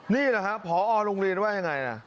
นี่หรือครับผอโรงเรียนว่าอย่างไรนะ